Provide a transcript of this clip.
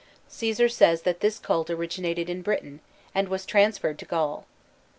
Cæsar says that this cult originated in Britain, and was transferred to Gaul.